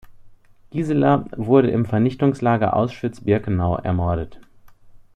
Gisela wurde im Vernichtungslager Auschwitz-Birkenau ermordet.